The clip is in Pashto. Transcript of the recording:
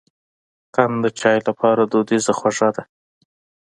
قند د چای لپاره دودیزه خوږه ده.